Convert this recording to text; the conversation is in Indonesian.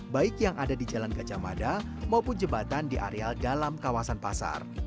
baik yang ada di jalan gajah mada maupun jembatan di areal dalam kawasan pasar